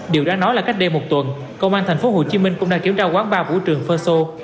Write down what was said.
điều đã nói là cách đây một tuần công an tp hcm cũng đang kiểm tra quán ba vũ trường phơ xô